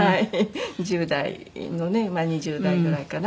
１０代のね２０代ぐらいかな？